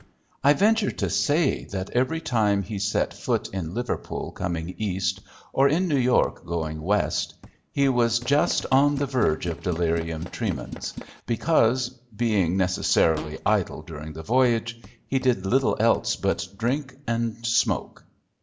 I venture to say that every time he set foot in Liverpool coming East, or in New York going West, he was just on the verge of delirium tremens, because, being necessarily idle during the voyage, he did little else but drink and smoke.